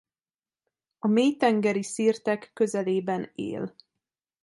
A mélytengeri szirtek közelében él.